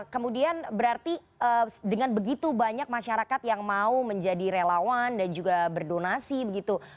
kemudian berarti dengan begitu banyak masyarakat yang mau menjadi relawan dan juga berdonasi begitu